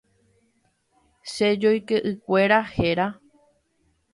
Che joykeʼykuéra héra.